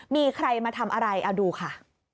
มีใครมาทำอะไรเอาดูค่ะ